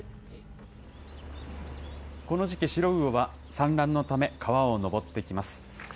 この時期、シロウオは産卵のため、川を上ってきます。